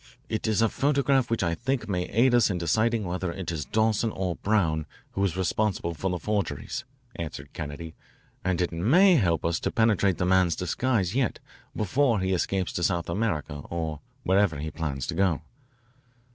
"It is a photograph which I think may aid us in deciding whether it is Dawson or Brown who is responsible for the forgeries," answered Kennedy, "and it may help us to penetrate the man's disguise yet, before he escapes to South America or wherever he plans to go."